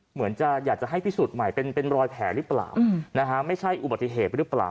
เหมือนจะอยากจะให้พิสูจน์ใหม่เป็นรอยแผลหรือเปล่านะฮะไม่ใช่อุบัติเหตุหรือเปล่า